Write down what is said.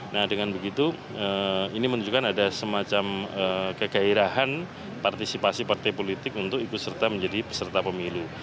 nah dengan begitu ini menunjukkan ada semacam kegairahan partisipasi partai politik untuk ikut serta menjadi peserta pemilu